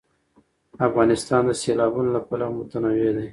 افغانستان د سیلابونه له پلوه متنوع دی.